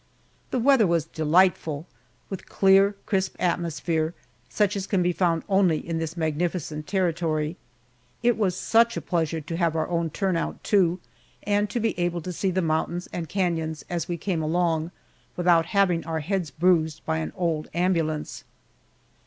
The weather was delightful with clear, crisp atmosphere, such as can be found only in this magnificent Territory. It was such a pleasure to have our own turn out, too, and to be able to see the mountains and canons as we came along, without having our heads bruised by an old ambulance.